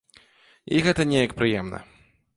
І гэта неяк прыемна.